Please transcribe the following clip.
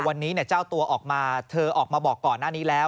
วันนี้เจ้าตัวออกมาเธอออกมาบอกก่อนหน้านี้แล้ว